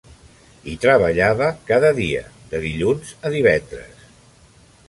Hi treballava cada dia, de dilluns a divendres